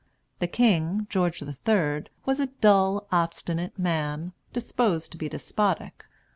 The king, George the Third, was a dull, obstinate man, disposed to be despotic.